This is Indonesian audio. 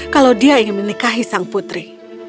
kalau dia ingin menikahi sang putri